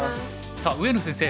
さあ上野先生。